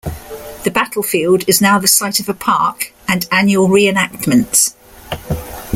The battlefield is now the site of a park, and annual reenactments.